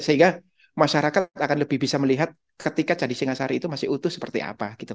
sehingga masyarakat akan lebih bisa melihat ketika candi singasari itu masih utuh seperti apa gitu